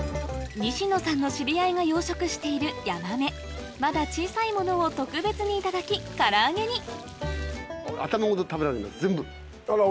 西野さんの知り合いが養殖しているヤマメまだ小さいものを特別に頂き唐揚げに頭ごと食べられる全部。